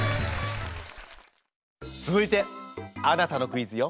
続いてあなたのクイズよ。